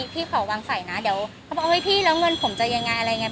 พี่ขอวางใส่นะเขาบอกว่าเมืองผมจะอย่างไร